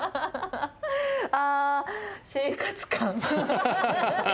あ生活感。